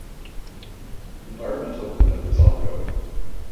Environmental cleanup is ongoing.